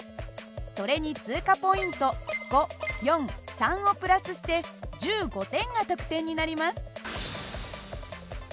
それに通過ポイント５４３をプラスして１５点が得点になります。